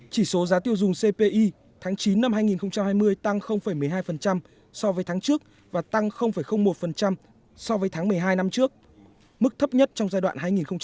chỉ số giá tiêu dùng cpi tháng chín năm hai nghìn hai mươi tăng một mươi hai so với tháng trước và tăng một so với tháng một mươi hai năm trước mức thấp nhất trong giai đoạn hai nghìn một mươi sáu hai nghìn hai mươi